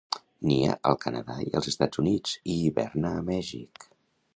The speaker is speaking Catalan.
Nia al Canadà i als Estats Units i hiverna a Mèxic.